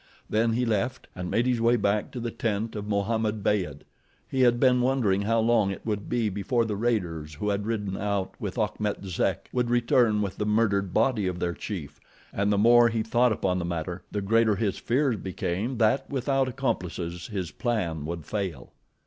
Then he left, and made his way back to the tent of Mohammed Beyd. He had been wondering how long it would be before the raiders who had ridden out with Achmet Zek would return with the murdered body of their chief, and the more he thought upon the matter the greater his fears became, that without accomplices his plan would fail.